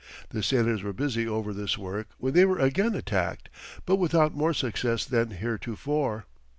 The sailors were busy over this work when they were again attacked, but without more success than heretofore.